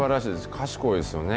賢いですよね。